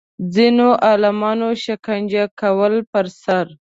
ځینو عالمانو شکنجه کولو پر سر